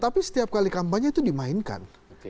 tapi setiap kali kampanye itu dimainkan